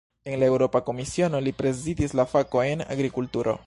En la Eŭropa Komisiono, li prezidis la fakojn "agrikulturo".